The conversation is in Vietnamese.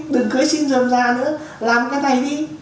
đừng cưới xin rờm ra nữa làm cái này đi